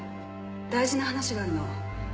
大事な話があるの。